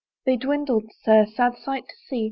They dwindled, Sir, sad sight to see!